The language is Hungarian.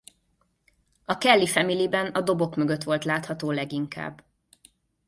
A Kelly Familyben a dobok mögött volt látható leginkább.